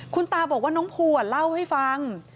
คุณตาบอกว่าน้องภูเล่าให้ฟัง